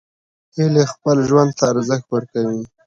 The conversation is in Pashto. هیلۍ خپل ژوند ته ارزښت ورکوي